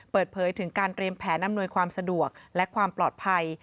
เปิดเผยถึงการเตรียมแผนอำนวยความสะดวกและความปลอดภัย